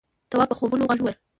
تواب په خوبولي غږ وويل: